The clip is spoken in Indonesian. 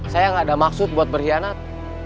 saya gak ada maksud buat berhianat